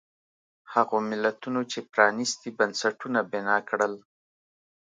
هغو ملتونو چې پرانیستي بنسټونه بنا کړل.